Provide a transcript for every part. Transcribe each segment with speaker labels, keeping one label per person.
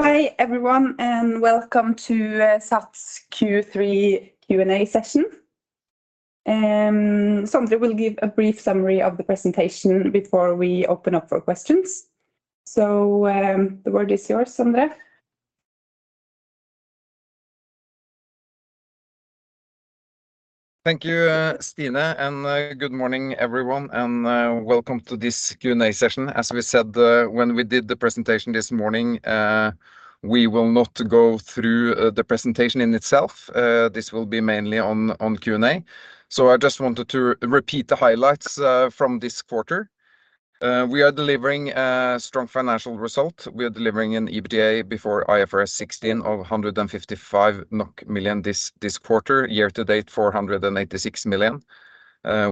Speaker 1: Hi, Everyone, and welcome to SATS' Q3 Q&A session. Sondre will give a brief summary of the presentation before we open up for questions. So, the word is yours, Sondre.
Speaker 2: Thank you, Stine, and good morning, everyone, and welcome to this Q&A session. As we said, when we did the presentation this morning, we will not go through the presentation in itself. This will be mainly on, on Q&A. So I just wanted to repeat the highlights from this quarter. We are delivering a strong financial result. We are delivering an EBITDA before IFRS 16 of 155 million NOK this quarter, year to date, 486 million.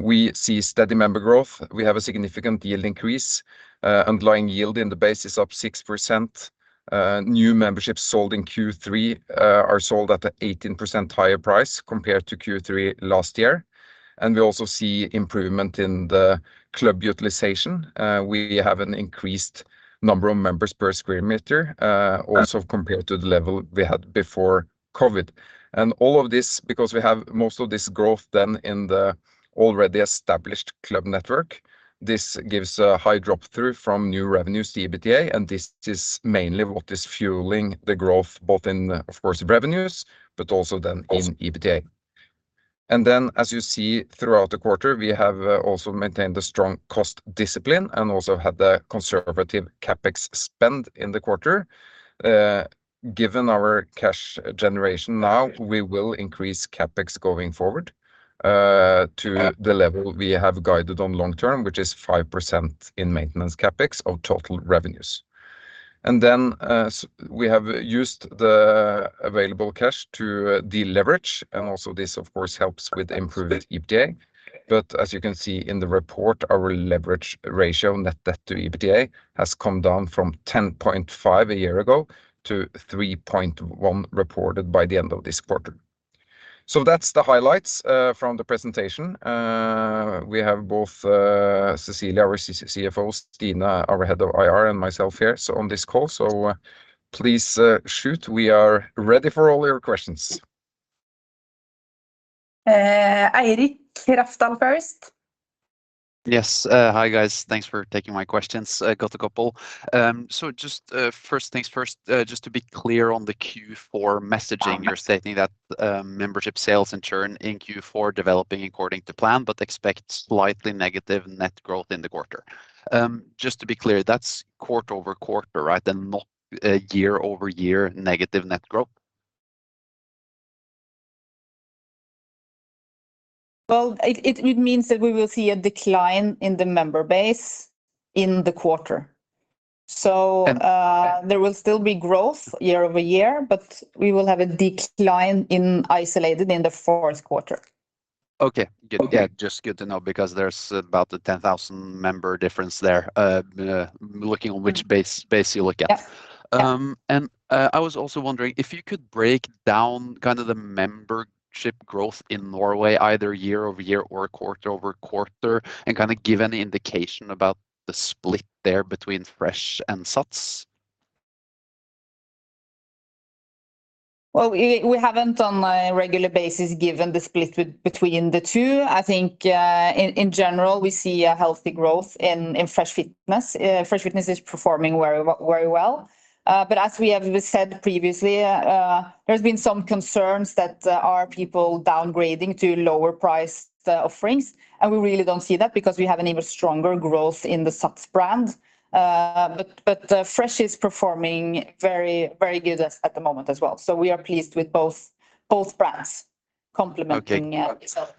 Speaker 2: We see steady member growth. We have a significant yield increase, underlying yield in the basis of 6%. New memberships sold in Q3 are sold at 18% higher price compared to Q3 last year, and we also see improvement in the club utilization. We have an increased number of members per square meter, also compared to the level we had before COVID. And all of this because we have most of this growth then in the already established club network. This gives a high drop-through from new revenues to EBITDA, and this is mainly what is fueling the growth, both in, of course, revenues, but also then in EBITDA. And then, as you see, throughout the quarter, we have also maintained a strong cost discipline and also had the conservative CapEx spend in the quarter. Given our cash generation now, we will increase CapEx going forward to the level we have guided on long term, which is 5% in maintenance CapEx of total revenues. And then, we have used the available cash to deleverage, and also this of course helps with improved EBITDA. As you can see in the report, our leverage ratio, net debt to EBITDA, has come down from 10.5 a year ago to 3.1, reported by the end of this quarter. That's the highlights from the presentation. We have both Cecilie, our CFO, Stine, our head of IR, and myself here, so on this call, so please shoot. We are ready for all your questions.
Speaker 1: Eirik Rafdal first.
Speaker 3: Yes. Hi, guys. Thanks for taking my questions. I got a couple. So just, first things first, just to be clear on the Q4 messaging, you're stating that membership sales and churn in Q4 are developing according to plan, but expect slightly negative net growth in the quarter. Just to be clear, that's quarter-over-quarter, right, and not year-over-year negative net growth?
Speaker 4: Well, it means that we will see a decline in the member base in the quarter.
Speaker 2: And-
Speaker 4: So, there will still be growth year-over-year, but we will have a decline isolated in the Q4.
Speaker 3: Okay. Okay. Yeah, just good to know, because there's about a 10,000-member difference there, looking on which base you look at.
Speaker 4: Yes. Yeah.
Speaker 3: I was also wondering if you could break down kind of the membership growth in Norway, either year-over-year or quarter-over-quarter, and kind of give an indication about the split there between Fresh and SATS.
Speaker 4: Well, we haven't on a regular basis given the split between the two. I think, in general, we see a healthy growth in Fresh Fitness. Fresh Fitness is performing very, very well. But as we have said previously, there's been some concerns that are people downgrading to lower price offerings, and we really don't see that because we have an even stronger growth in the SATS brand. But Fresh is performing very, very good at the moment as well, so we are pleased with both brands complementing-
Speaker 3: Okay.
Speaker 4: Yeah, so.
Speaker 3: Good,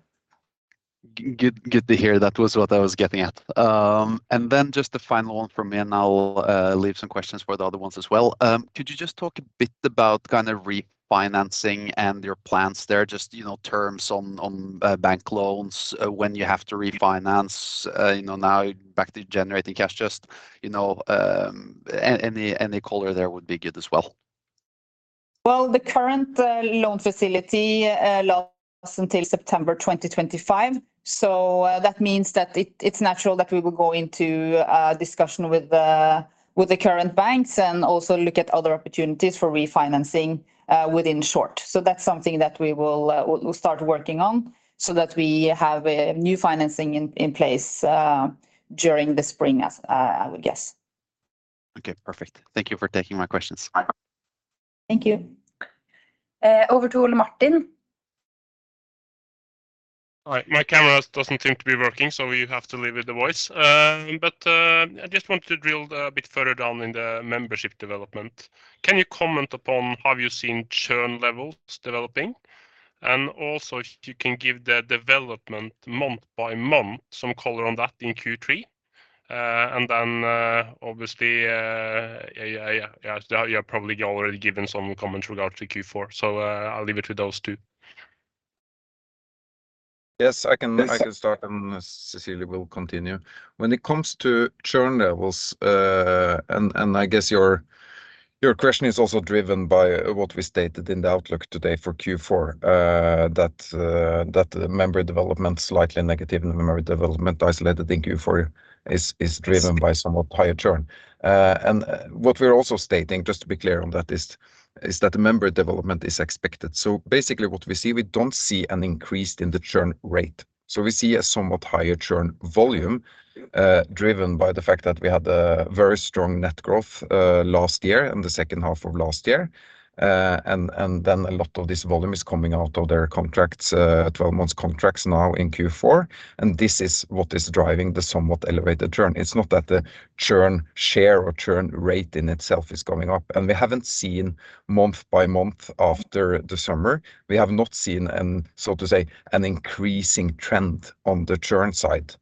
Speaker 3: good to hear. That was what I was getting at. And then just the final one from me, and I'll leave some questions for the other ones as well. Could you just talk a bit about kind of refinancing and your plans there, just, you know, terms on bank loans, when you have to refinance, you know, now back to generating cash? Just, you know, any color there would be good as well.
Speaker 4: Well, the current loan facility lasts until September 2025. So, that means that it, it's natural that we will go into discussion with the current banks and also look at other opportunities for refinancing within short. So that's something that we will, we'll start working on, so that we have a new financing in place during the spring, as I would guess.
Speaker 3: Okay, perfect. Thank you for taking my questions.
Speaker 4: Thank you.
Speaker 1: Over to Ole Martin.
Speaker 5: Hi. My camera doesn't seem to be working, so we have to leave with the voice. But, I just wanted to drill a bit further down in the membership development. Can you comment upon have you seen churn levels developing? And also, if you can give the development month by month, some color on that in Q3. And then, obviously... Yeah, yeah, yeah, you have probably already given some comments regarding Q4, so, I'll leave it to those two. Yes, I can- Yes- I can start, and Cecilie will continue. When it comes to churn levels, and I guess your question is also driven by what we stated in the outlook today for Q4, that the member development slightly negative and the member development isolated in Q4 is driven by somewhat higher churn. And what we're also stating, just to be clear on that, is that the member development is expected. So basically what we see, we don't see an increase in the churn rate. So we see a somewhat higher churn volume, driven by the fact that we had a very strong net growth, last year, in the H2 of last year. Then a lot of this volume is coming out of their 12-month contracts now in Q4, and this is what is driving the somewhat elevated churn. It's not that the churn share or churn rate in itself is going up, and we haven't seen month by month after the summer. We have not seen, so to say, an increasing trend on the churn side.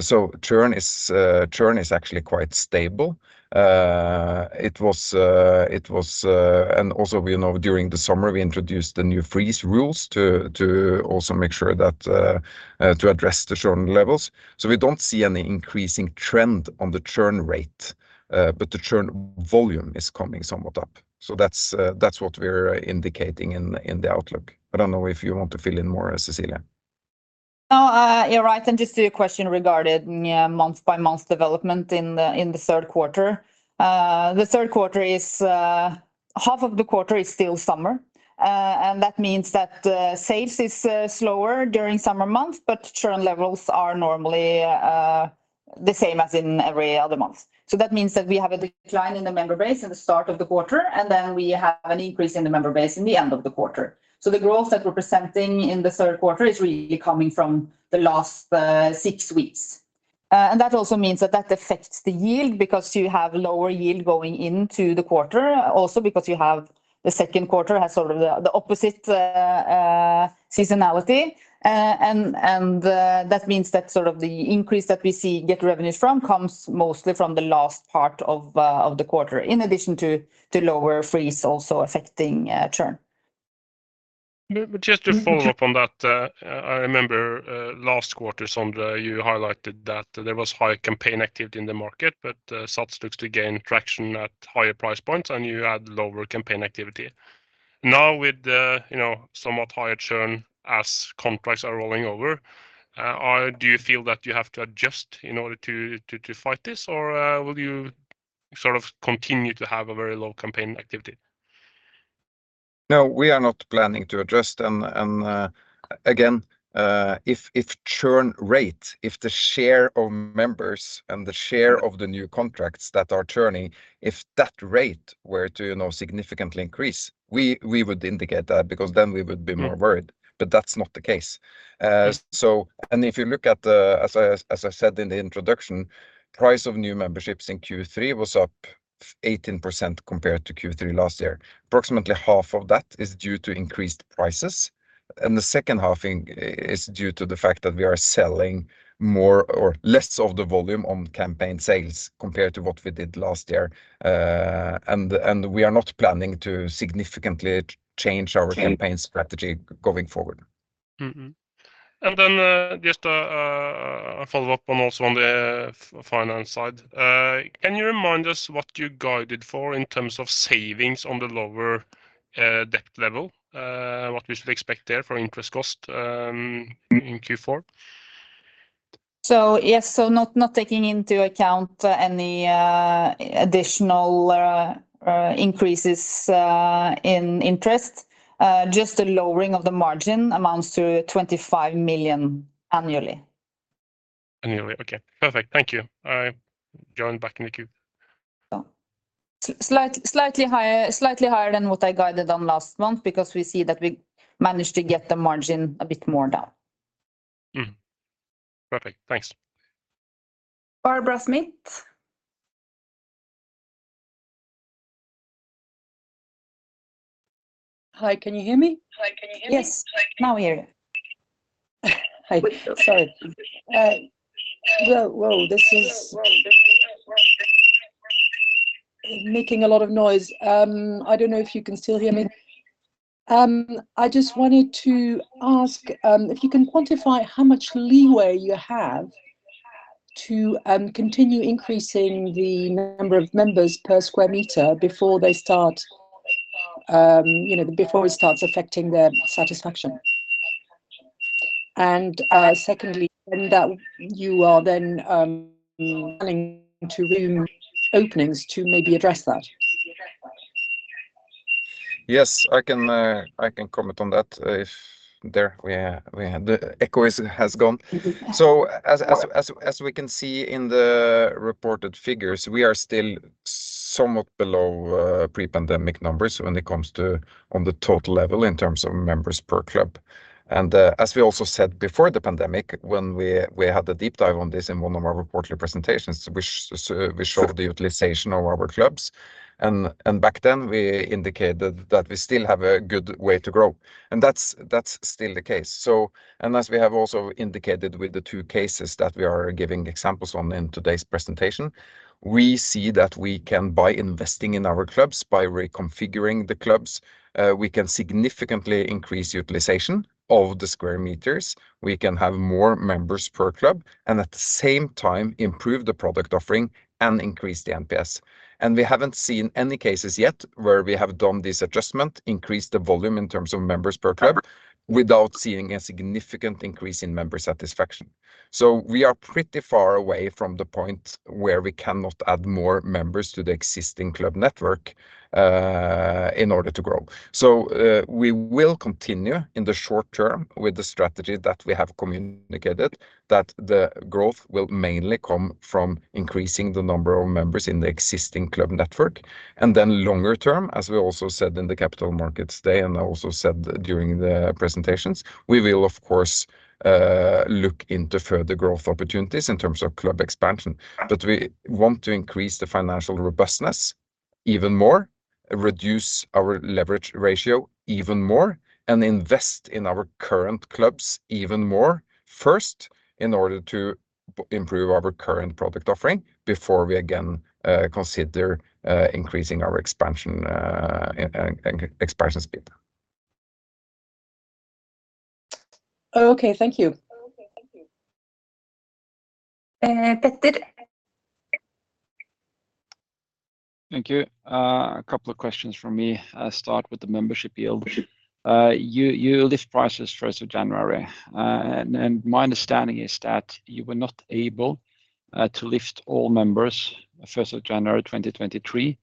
Speaker 5: So churn is actually quite stable. And also, we know during the summer, we introduced the new freeze rules to also make sure that, to address the churn levels. So we don't see any increasing trend on the churn rate, but the churn volume is coming somewhat up. So that's what we're indicating in the outlook. I don't know if you want to fill in more, Cecilie.
Speaker 4: You're right, and just to your question regarding, yeah, month-by-month development in the Q3. The third quarter is half of the quarter is still summer. And that means that the sales is slower during summer months, but churn levels are normally the same as in every other month. So that means that we have a decline in the member base in the start of the quarter, and then we have an increase in the member base in the end of the quarter. So the growth that we're presenting in the Q3 is really coming from the last six weeks. And that also means that that affects the yield because you have lower yield going into the quarter. Also, because you have the H2 has sort of the opposite seasonality, and that means that sort of the increase that we see get revenues from comes mostly from the last part of the quarter, in addition to lower freeze also affecting churn.
Speaker 5: But just to follow up on that, I remember last quarter, Sondre, you highlighted that there was high campaign activity in the market, but SATS looks to gain traction at higher price points, and you had lower campaign activity. Now, with the, you know, somewhat higher churn as contracts are rolling over, do you feel that you have to adjust in order to fight this? Or will you sort of continue to have a very low campaign activity?
Speaker 2: No, we are not planning to adjust. Again, if churn rate, if the share of members and the share of the new contracts that are churning, if that rate were to, you know, significantly increase, we would indicate that because then we would be more worried- but that's not the case. So, and if you look at the... As I, as I said in the introduction, price of new memberships in Q3 was up 18% compared to Q3 last year. Approximately half of that is due to increased prices, and the H2 is due to the fact that we are selling more or less of the volume on campaign sales compared to what we did last year. And, and we are not planning to significantly change our campaign strategy going forward.
Speaker 5: Mm-hmm. And then, just a follow-up on, also on the finance side. Can you remind us what you guided for in terms of savings on the lower debt level? What we should expect there for interest cost in Q4?
Speaker 4: So yes, not taking into account any additional increases in interest, just the lowering of the margin amounts to 25 million annually.
Speaker 5: Okay, perfect. Thank you. I... Going back in the queue.
Speaker 4: So slightly higher, slightly higher than what I guided on last month, because we see that we managed to get the margin a bit more down.
Speaker 5: Mm-hmm. Perfect. Thanks.
Speaker 1: Barbara Smith.
Speaker 6: Hi, can you hear me? Hi, can you hear me?
Speaker 1: Yes. Now we hear you.
Speaker 6: Hi. Sorry. Whoa, whoa, this is making a lot of noise. I don't know if you can still hear me. I just wanted to ask if you can quantify how much leeway you have to continue increasing the number of members per square meter before they start, you know, before it starts affecting their satisfaction. And secondly, and that you are then planning to room openings to maybe address that.
Speaker 2: Yes, I can, I can comment on that if... There we are, we have the echo has gone. So as we can see in the reported figures, we are still somewhat below pre-pandemic numbers when it comes to on the total level in terms of members per club. And as we also said before the pandemic, when we had a deep dive on this in one of our quarterly presentations, which we showed the utilization of our clubs, and back then, we indicated that we still have a good way to grow, and that's still the case. So, and as we have also indicated with the two cases that we are giving examples on in today's presentation, we see that we can, by investing in our clubs, by reconfiguring the clubs, we can significantly increase utilization of the square meters. We can have more members per club, and at the same time, improve the product offering and increase the NPS. And we haven't seen any cases yet where we have done this adjustment, increased the volume in terms of members per club, without seeing a significant increase in member satisfaction. So we are pretty far away from the point where we cannot add more members to the existing club network in order to grow. So, we will continue in the short term with the strategy that we have communicated, that the growth will mainly come from increasing the number of members in the existing club network. And then longer term, as we also said in the Capital Markets Day, and I also said during the presentations, we will, of course, look into further growth opportunities in terms of club expansion. But we want to increase the financial robustness even more, reduce our leverage ratio even more, and invest in our current clubs even more first, in order to improve our current product offering before we again, consider, increasing our expansion, and expansion speed.
Speaker 6: Okay, thank you.
Speaker 1: And Peter?
Speaker 7: Thank you. A couple of questions from me. I'll start with the membership yield. You lift prices first of January, and my understanding is that you were not able to lift all members first of January 2023,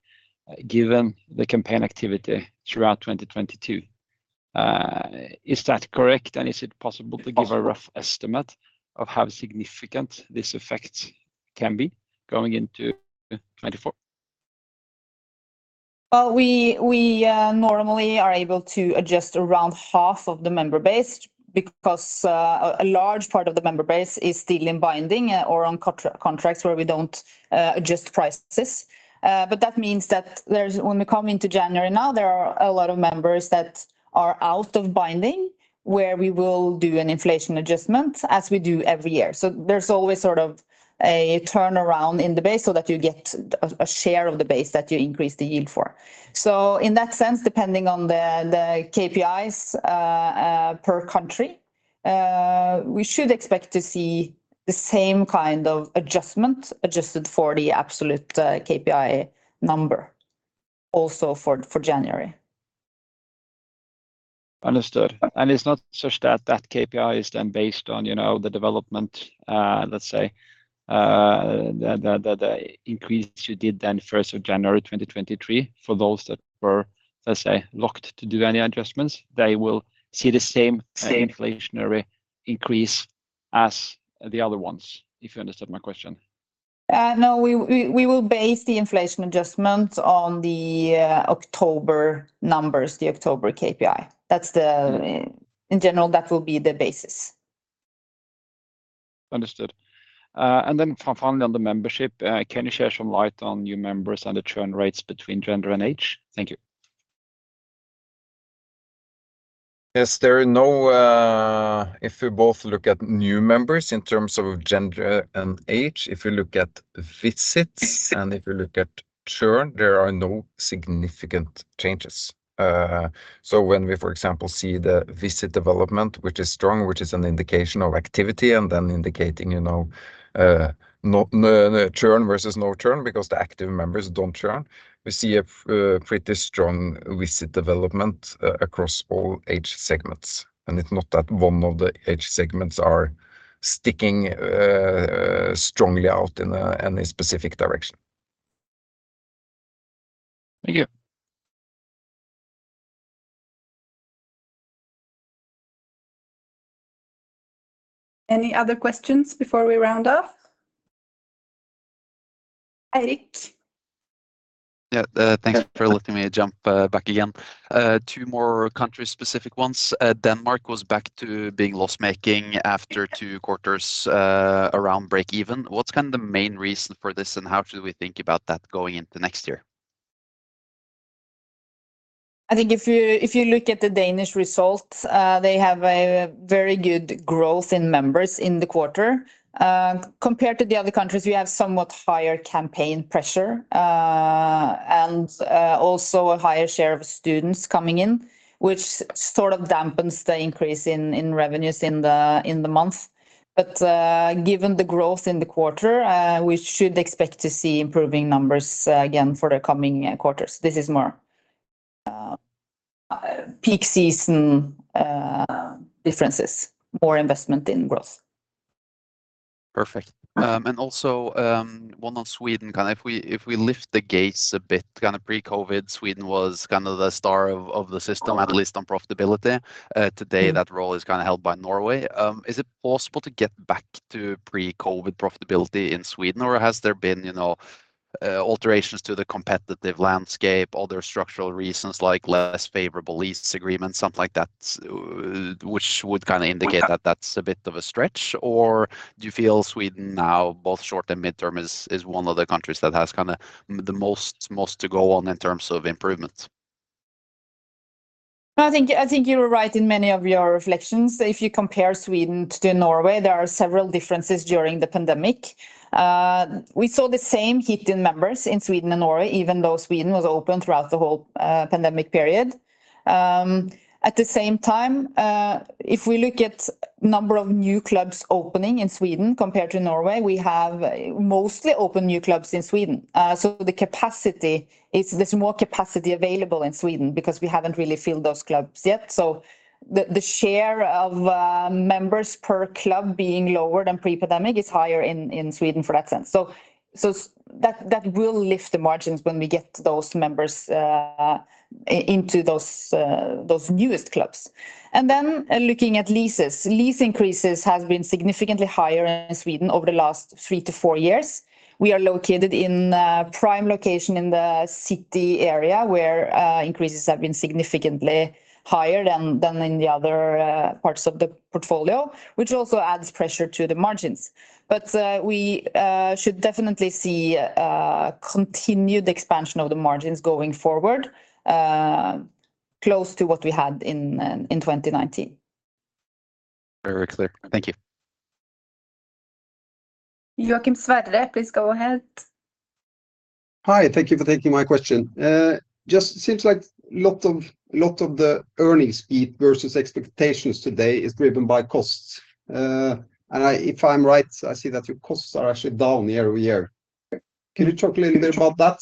Speaker 7: given the campaign activity throughout 2022. Is that correct, and is it possible to give a rough estimate of how significant this effect can be going into 2024?
Speaker 4: Well, we normally are able to adjust around half of the member base because a large part of the member base is still in binding or on contracts where we don't adjust prices. But that means that there's, when we come into January now, there are a lot of members that are out of binding, where we will do an inflation adjustment, as we do every year. So there's always sort of a turnaround in the base so that you get a share of the base that you increase the yield for. So in that sense, depending on the KPIs per country, we should expect to see the same kind of adjustment adjusted for the absolute KPI number also for January.
Speaker 7: Understood. And it's not such that that KPI is then based on, you know, the development, let's say, the increase you did then first of January 2023, for those that were, let's say, locked to do any adjustments, they will see the same-inflationary increase as the other ones, if you understood my question.
Speaker 4: No, we will base the inflation adjustment on the October numbers, the October KPI. That's the in general, that will be the basis.
Speaker 7: Understood. And then finally on the membership, can you share some light on new members and the churn rates between gender and age? Thank you.
Speaker 2: Yes, there are no... If you both look at new members in terms of gender and age, if you look at visits, and if you look at churn, there are no significant changes. So when we, for example, see the visit development, which is strong, which is an indication of activity, and then indicating, you know, no churn versus no churn, because the active members don't churn, we see a pretty strong visit development across all age segments, and it's not that one of the age segments are sticking strongly out in any specific direction.
Speaker 7: Thank you.
Speaker 1: Any other questions before we round off? Eirik?
Speaker 3: Yeah, thanks for letting me jump back again. Two more country-specific ones. Denmark was back to being loss-making after two quarters around breakeven. What's kind of the main reason for this, and how should we think about that going into next year?
Speaker 4: I think if you, if you look at the Danish results, they have a very good growth in members in the quarter. Compared to the other countries, we have somewhat higher campaign pressure, and also a higher share of students coming in, which sort of dampens the increase in revenues in the month. But given the growth in the quarter, we should expect to see improving numbers again for the coming quarters. This is more peak season difference, more investment in growth.
Speaker 3: Perfect. Also, one on Sweden, kind of if we lift the gates a bit, kind of pre-COVID, Sweden was kind of the star of the system at least on profitability. Today that role is kind of held by Norway. Is it possible to get back to pre-COVID profitability in Sweden, or has there been, you know, alterations to the competitive landscape, other structural reasons, like less favorable lease agreements, something like that, which would kind of indicate that that's a bit of a stretch? Or do you feel Sweden now, both short and midterm, is, is one of the countries that has kind of the most, most to go on in terms of improvement?
Speaker 4: I think you were right in many of your reflections. If you compare Sweden to Norway, there are several differences during the pandemic. We saw the same hit in members in Sweden and Norway, even though Sweden was open throughout the whole pandemic period. At the same time, if we look at number of new clubs opening in Sweden compared to Norway, we have mostly opened new clubs in Sweden. So the capacity is. There's more capacity available in Sweden because we haven't really filled those clubs yet. So the share of members per club being lower than pre-pandemic is higher in Sweden for that sense. So that will lift the margins when we get those members into those newest clubs. And then looking at leases. Lease increases have been significantly higher in Sweden over the last 3-4 years. We are located in a prime location in the city area, where increases have been significantly higher than in the other parts of the portfolio, which also adds pressure to the margins. But we should definitely see continued expansion of the margins going forward, close to what we had in 2019.
Speaker 3: Very clear. Thank you.
Speaker 1: Joachim Sverre, please go ahead.
Speaker 8: Hi, thank you for taking my question. Just seems like a lot of the earnings beat versus expectations today is driven by costs. And if I'm right, I see that your costs are actually down year over year. Can you talk a little bit about that?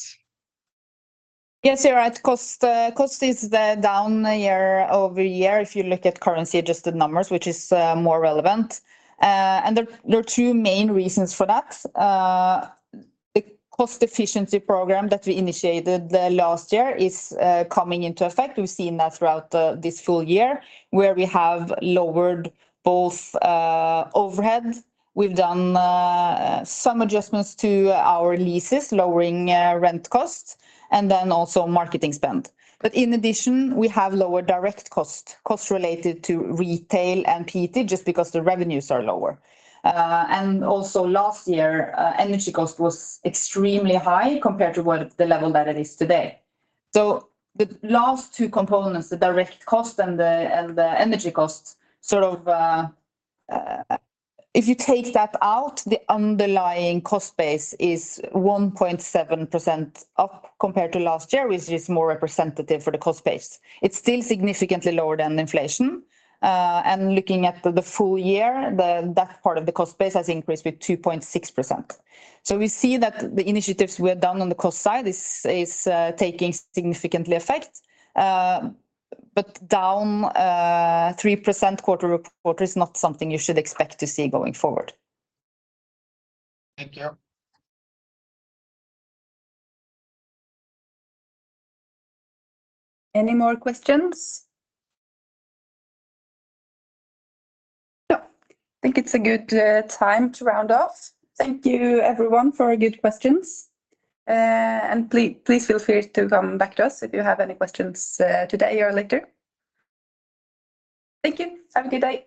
Speaker 4: Yes, you're right. Cost, cost is down year-over-year, if you look at currency-adjusted numbers, which is more relevant. And there, there are two main reasons for that. The cost efficiency program that we initiated the last year is coming into effect. We've seen that throughout this full year, where we have lowered both overhead. We've done some adjustments to our leases, lowering rent costs, and then also marketing spend. But in addition, we have lower direct costs, costs related to retail and PT, just because the revenues are lower. And also last year, energy cost was extremely high compared to what the level that it is today. So the last two components, the direct cost and the energy costs, sort of, if you take that out, the underlying cost base is 1.7% up compared to last year, which is more representative for the cost base. It's still significantly lower than inflation. And looking at the full year, that part of the cost base has increased with 2.6%. So we see that the initiatives we have done on the cost side is taking significantly effect, but down 3% quarter-over-quarter is not something you should expect to see going forward.
Speaker 8: Thank you.
Speaker 1: Any more questions? No. I think it's a good time to round off. Thank you, everyone, for your good questions. And please feel free to come back to us if you have any questions today or later. Thank you. Have a good day.